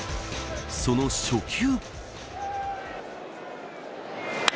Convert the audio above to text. その初球。